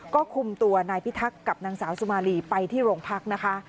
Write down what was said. ก็คุมตัวนายพิทักษ์กับนางสาวสุมารีไปที่โรงพักนะคะ